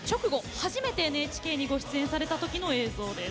初めてＮＨＫにご出演されたときの映像なんです。